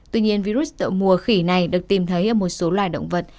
tuy nhiên virus mùa khỉ này được tìm thấy ở một số loài động vật